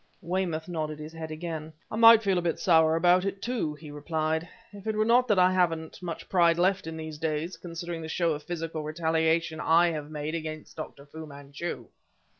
Weymouth nodded his head again. "I might feel a bit sour about it, too," he replied, "if it were not that I haven't much pride left in these days, considering the show of physical retaliation I have made against Dr. Fu Manchu."